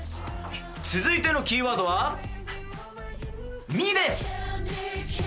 続いてのキーワードは「み」です！